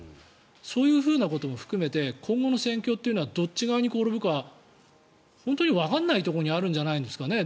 そういうことも含めて今後の戦況っていうのはどっち側に転ぶか本当にわからないところにあるんじゃないですかね。